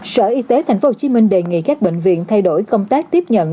sở y tế tp hcm đề nghị các bệnh viện thay đổi công tác tiếp nhận